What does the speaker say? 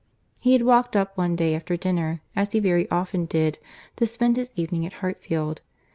He had walked up one day after dinner, as he very often did, to spend his evening at Hartfield.